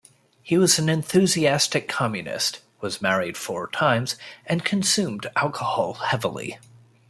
He was an enthusiastic communist, was married four times and consumed alcohol heavily.